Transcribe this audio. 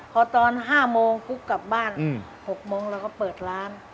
พอตอน๕โมงกุ๊กกลับบ้าน๖โมงเราก็เปิดร้าน